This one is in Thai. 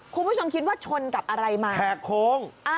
คุณผู้ชมคิดว่าชนกับอะไรมาแหกโค้ง